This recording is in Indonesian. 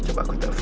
coba aku telpon ya